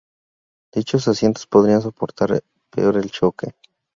Dichos asientos podrían soportar peor el choque.